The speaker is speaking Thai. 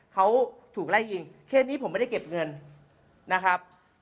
เขาถูกไล่ยิงเคสนี้ผมไม่ได้เก็บเงินนะครับ